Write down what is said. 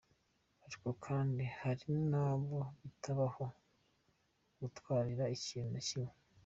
Ariko kandi hari n’abo bitabaho gutwarira ikintu na kimwe.